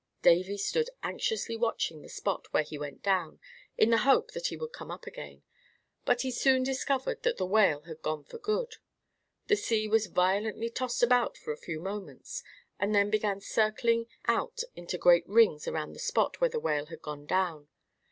Davy stood anxiously watching the spot where he went down, in the hope that he would come up again; but he soon discovered that the Whale had gone for good. The sea was violently tossed about for a few moments, and then began circling out into great rings around the spot where the Whale had gone down.